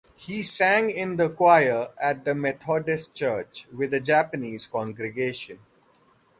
He sang in the choir at a Methodist church with a Japanese congregation.